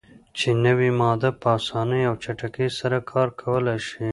چې نوی ماده "په اسانۍ او چټکۍ سره کار کولای شي.